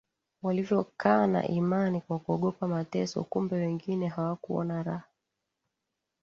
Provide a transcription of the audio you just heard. walivyokana imani kwa kuogopa mateso Kumbe wengine hawakuona raha